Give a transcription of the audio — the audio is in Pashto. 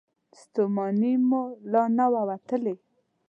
ستومني مو لا نه وه وتلې.